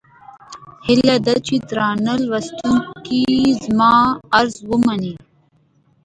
هيله ده چې درانه لوستونکي زما عرض ومني.